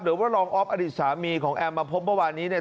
หรือว่ารองอ๊อฟอดิษฐาหมีของแอมมาพบเมื่อวานี้เนี่ย